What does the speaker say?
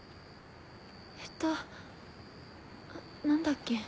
えっと何だっけ？